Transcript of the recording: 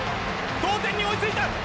同点に追いついた。